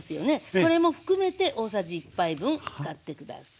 これも含めて大さじ１杯分使って下さい。